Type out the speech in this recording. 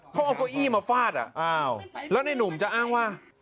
เขาเอาโกยี่มาฟาดอะแล้วในหนุ่มจะอ้างว่า